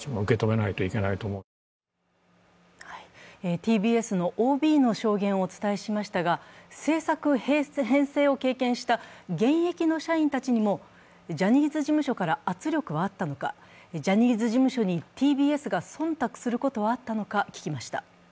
ＴＢＳのＯＢの証言をお伝えしましたが制作、編成を経験した現役の社員たちにもジャニーズ事務所から圧力はあったのか、ジャニーズ事務所にＴＢＳが忖度することはあったのか、聞きました。